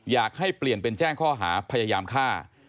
อยากให้เปลี่ยนเป็นแจ้งข้อหาพยายามฆ่า